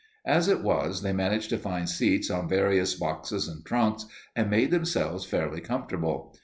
As it was, they managed to find seats on various boxes and trunks and made themselves fairly comfortable.